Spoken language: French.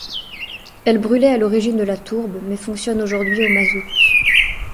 Elle brûlait à l'origine de la tourbe, mais fonctionne aujourd'hui au mazout.